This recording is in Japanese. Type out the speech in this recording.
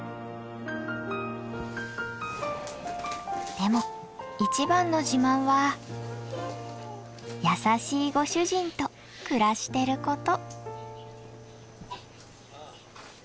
でも一番の自慢は優しいご主人と暮らしてること。